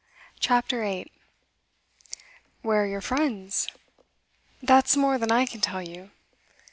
CHAPTER 8 'Where are your friends?' 'That's more than I can tell you.